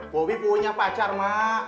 bobi punya pacar mak